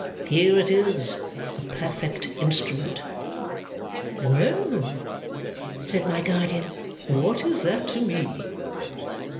Here it is, a perfect instrument!" "Well!" said my guardian. "What is that to me?"